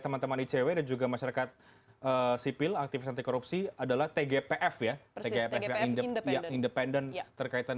teman teman icw dan juga masyarakat sipil aktivis anti korupsi adalah tgpf ya tgpf yang independen terkaitan